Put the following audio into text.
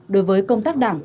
đối với công tác đảng